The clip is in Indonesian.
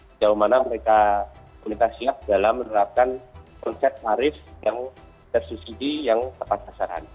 sejauh mana mereka pemerintah siap dalam menerapkan konsep tarif yang tersubsidi yang tepat sasaran